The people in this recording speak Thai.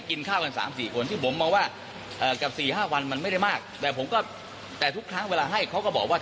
ค่ะบิ๊กโจ๊กบอกไงแถลงบอกว่า